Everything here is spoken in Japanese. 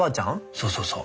そうそうそう。